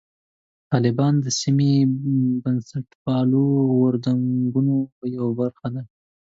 طالبان د سیمې بنسټپالو غورځنګونو یوه برخه ده.